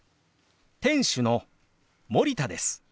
店主の森田です。